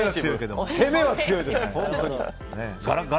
攻めは強いです。